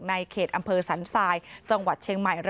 ในเขตอำเภอสันทรายจังหวัดเชียงใหม่